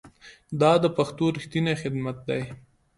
دا د پښتو ریښتینی خدمت دی.